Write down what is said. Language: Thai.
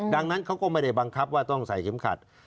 ดังนั้นเขาก็ไม่ได้บังคับว่าต้องใส่เข็มขัด